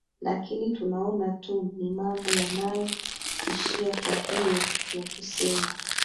lakini tunaona tu ni mambo yanayo ishia kwa hiyo ya kusema